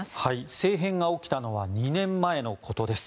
政変が起きたのは２年前のことです。